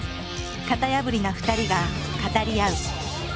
型破りな２人が語り合う。